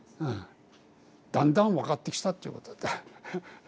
うん。だんだん分かってきたっていうことだ。